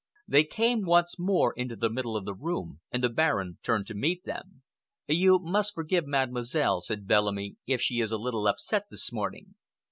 They came once more into the middle of the room, and the Baron turned to meet them. "You must forgive Mademoiselle," said Bellamy, "if she is a little upset this morning.